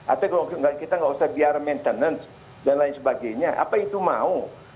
atau kita nggak usah biar maintenance dan lain sebagainya apa itu mau